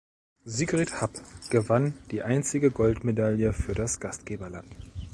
Sigrid Happ gewann die einzige Goldmedaille für das Gastgeberland.